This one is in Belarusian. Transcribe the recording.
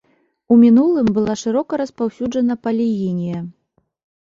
У мінулым была шырока распаўсюджана палігінія.